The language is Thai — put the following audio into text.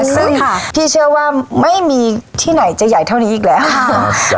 ซึ่งพี่เชื่อว่าไม่มีที่ไหนจะใหญ่เท่านี้อีกแล้วค่ะ